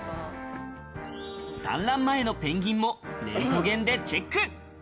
産卵前のペンギンもレントゲンでチェック。